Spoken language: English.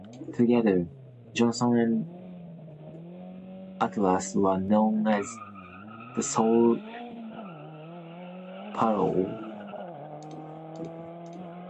Together, Johnson and Atlas were known as "The Soul Patrol".